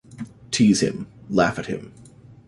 Tease him — laugh at him.